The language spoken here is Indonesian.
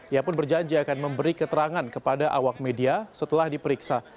ia pun berjanji akan memberi keterangan kepada awak media setelah diperiksa